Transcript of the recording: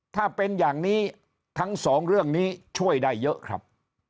ถ้าเป็นอย่างนี้ทั้งสองเรื่องนี้ช่วยได้เยอะครับ